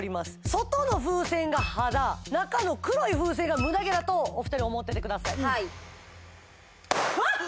外の風船が肌中の黒い風船がムダ毛だとお二人思っててくださいわっ！